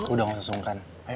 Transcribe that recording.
udah gak usah sungkan